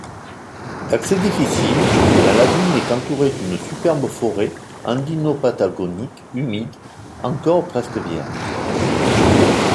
D'accès difficile, la lagune est entourée d'une superbe forêt andino-patagonique humide encore presque vierge.